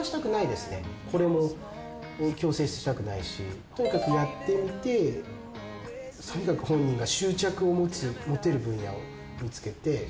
これに強制したくないしとにかくやってみてとにかく本人が執着を持つ持てる分野を見つけてそ